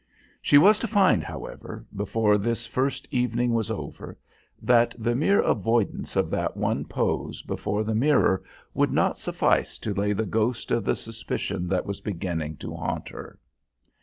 She was to find, however, before this first evening was over, that the mere avoidance of that one pose before the mirror would not suffice to lay the ghost of the suspicion that was beginning to haunt her.